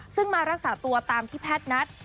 ซึ่งมารักษาตัวตามที่แพทย์นัด